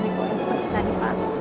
seperti tadi pak